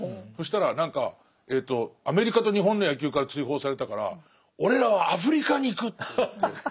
そしたら何かアメリカと日本の野球から追放されたから俺らはアフリカに行くっていって。